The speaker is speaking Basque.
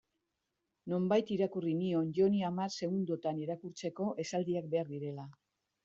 Nonbait irakurri nion Joni hamar segundotan irakurtzeko esaldiak behar direla.